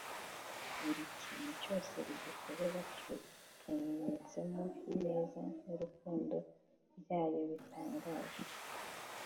buri kintu cyose idukorera kiba gipfunyitsemo ineza n’urukundo byayo bitangaje